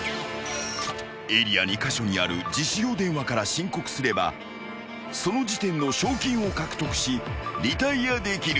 ［エリア２カ所にある自首用電話から申告すればその時点の賞金を獲得しリタイアできる］